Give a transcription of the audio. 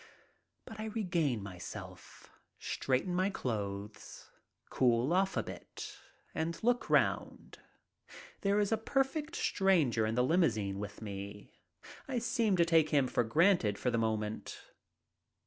But I regain myself, straighten my clothes, cool off a bit, and look round. There is a perfect stranger in the limousine with me. I seem to take him for granted for the moment.